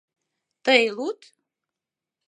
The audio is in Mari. — Тый луд.